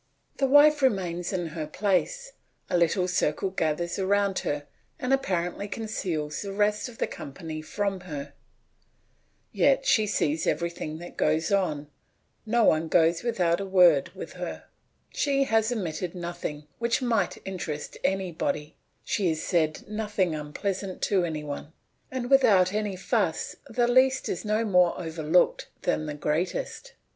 The wife remains in her place; a little circle gathers round her and apparently conceals the rest of the company from her; yet she sees everything that goes on, no one goes without a word with her; she has omitted nothing which might interest anybody, she has said nothing unpleasant to any one, and without any fuss the least is no more overlooked than the greatest.